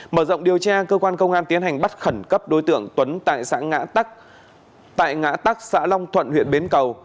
mở rộng điều tra cơ quan công an tiến hành bắt khẩn cấp đối tượng tuấn tại xã ngã tại ngã tắc xã long thuận huyện bến cầu